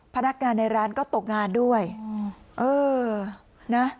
พนักงานในร้านก็ตกงานด้วยเออนะ